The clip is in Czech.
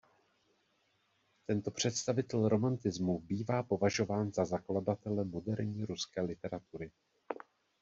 Tento představitel romantismu bývá považován za zakladatele moderní ruské literatury.